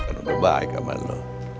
lo kan udah baik sama lo